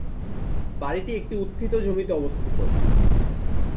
বাড়িটি একটি উত্থিত জমিতে অবস্থিত।